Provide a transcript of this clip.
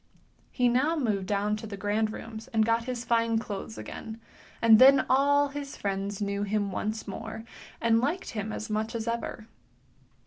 He now moved down to the grand rooms and got his fine clothes again, and then all his friends knew him once more, and liked him as much as ever.